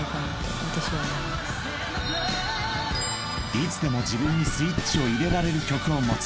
［いつでも自分にスイッチを入れられる曲を持つ］